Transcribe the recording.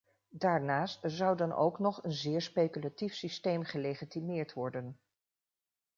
Daarnaast zou dan ook nog een zeer speculatief systeem gelegitimeerd worden.